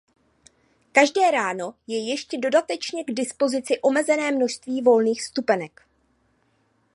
Každé ráno je ještě dodatečně k dispozici omezené množství volných vstupenek.